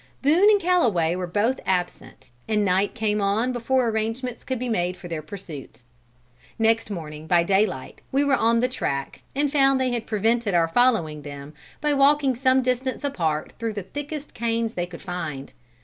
Boone and Calloway were both absent, and night came on before arrangements could be made for their pursuit. Next morning by daylight we were on the track, and found they had prevented our following them by walking some distance apart through the thickest canes they could find.